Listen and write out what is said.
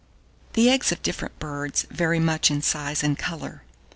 1626. The eggs of different birds vary much in size and colour.